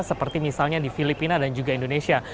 seperti misalnya di filipina dan juga indonesia